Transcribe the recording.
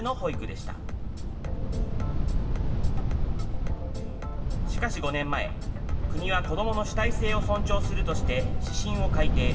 しかし５年前、国は子どもの主体性を尊重するとして、指針を改訂。